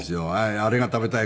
あれが食べたい